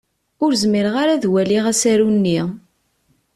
Ur zmireɣ ad waliɣ asaru-nni.